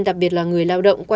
đặc biệt là người lao động